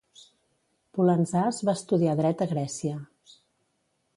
Pulandzàs va estudiar Dret a Grècia.